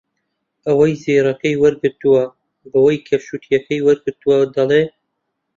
ئەوەی زێڕەکەی وەرگرتووە بەوەی کە شووتییەکەی وەرگرتووە دەڵێ